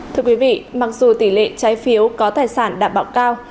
thưa quý vị mặc dù tỷ lệ trái phiếu có tài sản đảm bảo cao